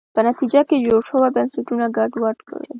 په نتیجه کې جوړ شوي بنسټونه ګډوډ کړي.